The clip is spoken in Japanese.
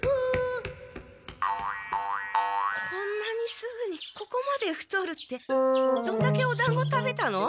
こんなにすぐにここまで太るってどんだけおだんご食べたの？